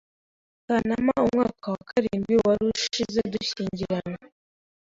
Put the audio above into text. Kanama umwaka wa karindwi wari ushize dushyingiranywe